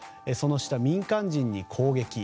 その下、民間人に攻撃。